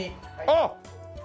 あっ！